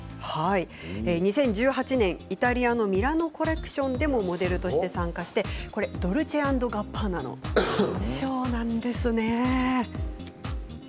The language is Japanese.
２０１８年イタリアのミラノ・コレクションでもモデルとして参加してドルチェ＆ガッバーナのショーなんですね。